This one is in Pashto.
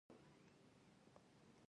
په افغانستان کې کوچیان ډېر اهمیت لري.